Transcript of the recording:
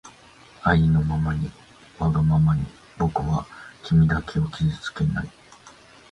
あいのままにわがままにぼくはきみだけをきずつけない